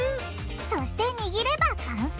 そしてにぎれば完成！